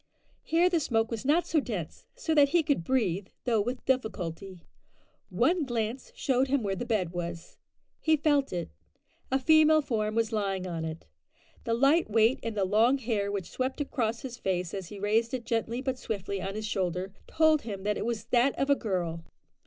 Here the smoke was not so dense, so that he could breathe, though with difficulty. One glance showed him where the bed was. He felt it. A female form was lying on it. The light weight and the long hair which swept across his face as he raised it gently but swiftly on his shoulder, told him that it was that of a girl.